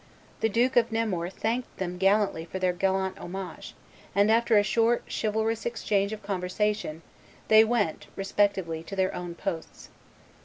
The Duke of Nemours thanked them gallantly for their gallant homage, and, after a short, chivalrous exchange of conversation, they went, respectively, to their own posts.